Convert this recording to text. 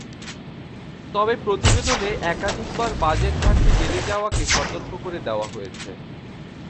তবে প্রতিবেদনে একাধিকবার বাজেট ঘাটতি বেড়ে যাওয়াকে সতর্ক করে দেওয়া হয়েছে।